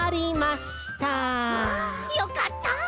あよかった！